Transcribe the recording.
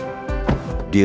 dari anjuran dekat